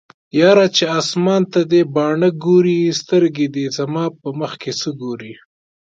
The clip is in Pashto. یاره چې اسمان ته دې باڼه ګوري سترګې دې زما په مخکې څه ګوري